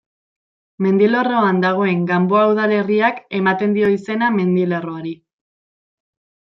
Mendilerroan dagoen Ganboa udalerriak ematen dio izena mendilerroari.